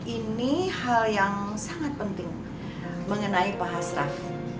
ini hal yang sangat penting mengenai pak hasraf